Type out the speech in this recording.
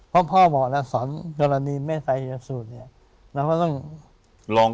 เพราะพ่อบอกนะสอนกรณีไม่ใส่กับสูตรเนี่ยเราก็ต้องร้องคลอง